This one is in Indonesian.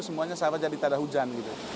semuanya sama jadi tak ada hujan